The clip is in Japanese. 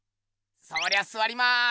そりゃすわります。